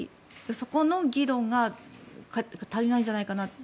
そこの議論が足りないんじゃないかなと。